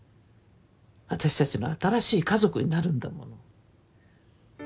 あたしたちの新しい家族になるんだもの。